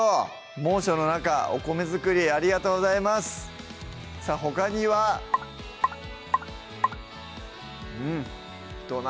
猛暑の中お米作りありがとうございますさぁほかにはうん土鍋